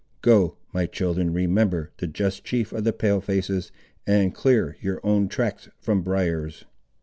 Go, my children; remember the just chief of the Pale faces, and clear your own tracks from briars."